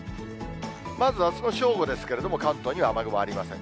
まずあすの正午ですけれども、関東には雨雲ありません。